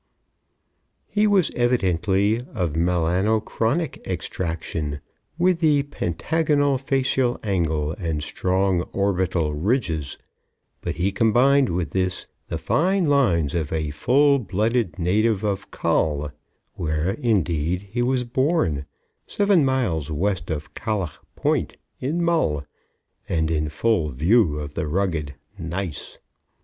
He was evidently of Melanochronic extraction, with the pentagonal facial angle and strong obital ridges, but he combined with this the fine lines of a full blooded native of Coll, where, indeed, he was born, seven miles west of Caliach Point, in Mull, and in full view of the rugged gneiss.